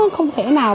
không thể nào